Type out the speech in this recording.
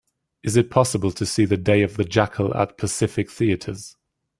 Is it possible to see The Day of the Jackal at Pacific Theatres